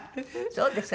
そうですか。